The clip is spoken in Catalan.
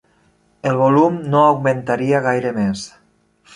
El volum no augmentaria gaire més.